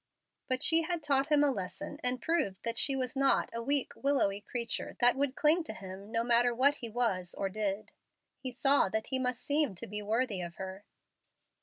But she had taught him a lesson, and proved that she was not a weak, willowy creature that would cling to him no matter what he was or did. He saw that he must seem to be worthy of her.